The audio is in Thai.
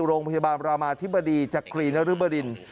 โรงพยาบาลรามาธิบดีจักรีนริบดิน